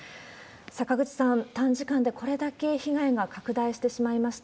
坂口さん、短時間でこれだけ被害が拡大してしまいました。